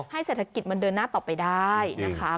เศรษฐกิจมันเดินหน้าต่อไปได้นะคะ